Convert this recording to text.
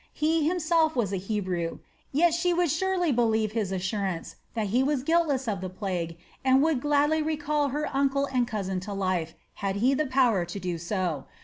He himself was a Hebrew, yet she would surely believe his assurance that he was guiltless of the plague and would gladly recall her uncle and cousin to life, had he the power to do so.